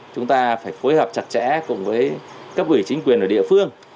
chúng ta phải phối hợp chặt chẽ cùng với các quỷ chính quyền ở địa phương